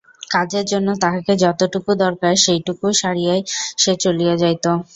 কাজের জন্য তাহাকে যতটুকু দরকার সেইটুকু সারিয়াই সে চলিয়া যাইত।